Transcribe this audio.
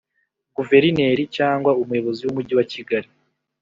guverineri cyangwa umuyobozi w’umujyi wa kigali